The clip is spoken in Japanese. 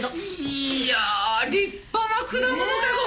いや立派な果物かご。